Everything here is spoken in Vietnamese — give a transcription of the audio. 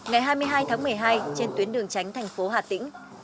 ngày hai mươi hai tháng một mươi hai trên tuyến đường tránh thành phố hà tĩnh